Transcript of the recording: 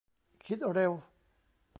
คิดเร็ว